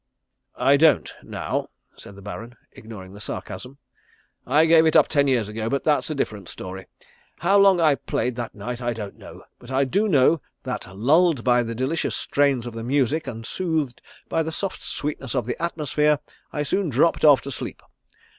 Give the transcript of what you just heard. "I don't now," said the Baron, ignoring the sarcasm. "I gave it up ten years ago but that's a different story. How long I played that night I don't know, but I do know that lulled by the delicious strains of the music and soothed by the soft sweetness of the atmosphere I soon dropped off to sleep.